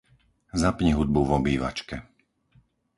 Zapni hudbu v obývačke.